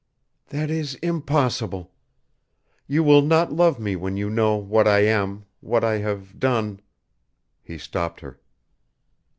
"That is impossible. You will not love me when you know what I am what I have done " He stopped her.